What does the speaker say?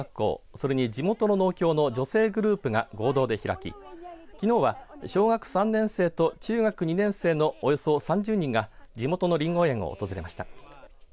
それに地元の農協の女性グループが合同で開ききのうは小学３年生と中学２年生のおよそ３０人が地元のりんご園を訪れました。